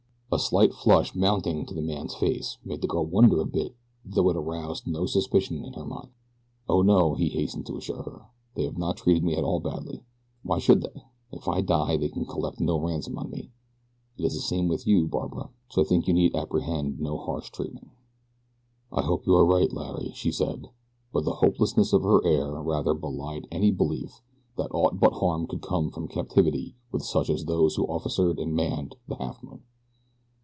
A slight flush mounting to the man's face made the girl wonder a bit though it aroused no suspicion in her mind. "Oh, no," he hastened to assure her, "they have not treated me at all badly why should they? If I die they can collect no ransom on me. It is the same with you, Barbara, so I think you need apprehend no harsh treatment." "I hope you are right, Larry," she said, but the hopelessness of her air rather belied any belief that aught but harm could come from captivity with such as those who officered and manned the Halfmoon.